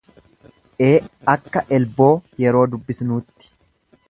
e akka elboo yeroo dubbisnuutti.